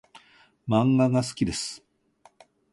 漫画が好きです